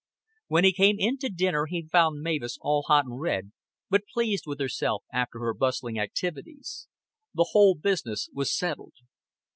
When he came in to dinner he found Mavis all hot and red, but pleased with herself after her bustling activities. The whole business was settled.